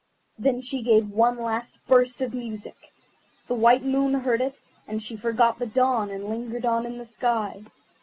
Then she gave one last burst of music. The white Moon heard it, and she forgot the dawn, and lingered on in the sky.